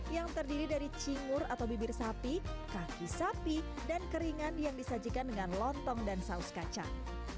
yang terdiri dari cingur atau bibir sapi kaki sapi dan keringan yang disajikan dengan lontong dan saus kacang